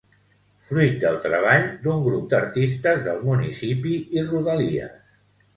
fruit del treball d'un grup d'artistes del municipi i rodalies